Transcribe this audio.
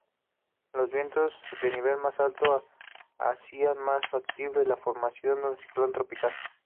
Los vientos de nivel alto hacían más factibles la formación de un ciclón tropical.